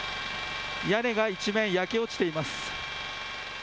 屋根が一面焼け落ちています。